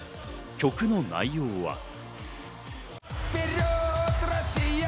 曲の内容は。